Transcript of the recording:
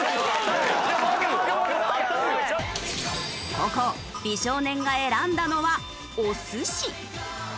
後攻美少年が選んだのはお寿司。